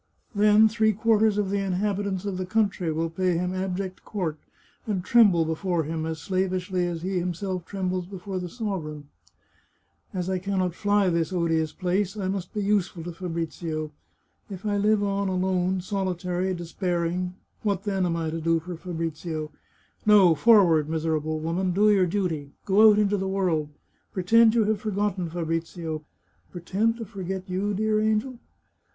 Then three quarters of the inhabitants of the country will pay him abject court, and tremble before him as slavishly as he himself trembles before the sovereign. " As I can not fly this odious place, I must be useful to Fabrizio. If I live on alone, solitary, despairing, what, then, am I to do for Fabrizio ? No ! forward, miserable woman ! Do your duty. Go out into the world. Pretend you have forgotten Fabrizio. Pretend to forget you, dear angel